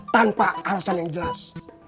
tanpa alasan yang jelas